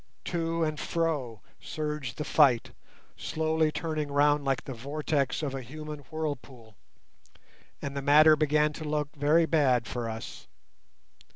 To and fro surged the fight, slowly turning round like the vortex of a human whirlpool, and the matter began to look very bad for us.